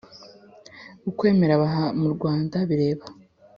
Ukwemera baha i mu Rwanda bireba